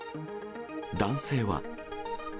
男性は。